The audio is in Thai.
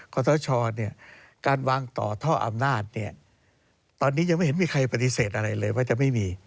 สชการวางต่อท่ออำนาจเนี่ยตอนนี้ยังไม่เห็นมีใครปฏิเสธอะไรเลยว่าจะไม่มี